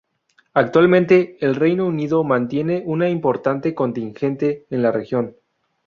Actualmente el Reino Unido mantiene un importante contingente en la región.